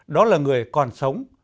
đó là người còn sống